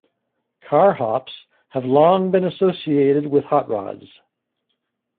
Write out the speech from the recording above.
Carhops have long been associated with hot rods.